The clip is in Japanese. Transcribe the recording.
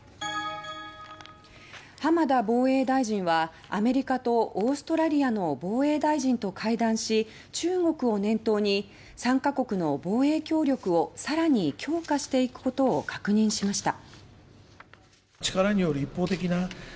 浜田防衛大臣はアメリカとオーストラリアの防衛大臣と会談し中国を念頭に３か国の防衛協力をさらに強化していくことを確認しました。